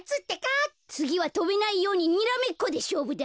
つぎはとべないようににらめっこでしょうぶだ。